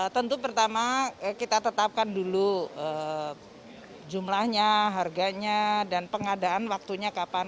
tentu pertama kita tetapkan dulu jumlahnya harganya dan pengadaan waktunya kapan